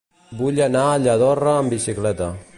Vull anar a Lladorre amb bicicleta.